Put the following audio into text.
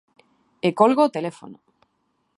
¡E colgo o teléfono!